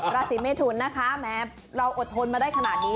ราศีเมทุนนะคะแม้เราอดทนมาได้ขนาดนี้